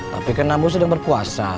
tapi kan ambus sedang berkuasa